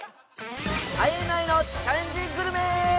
ＩＮＩのチャレンジグルメ！